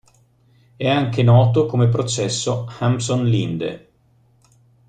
È anche noto come processo Hampson–Linde.